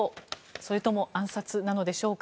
それとも暗殺なのでしょうか。